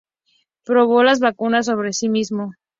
Probó las vacunas sobre sí mismo.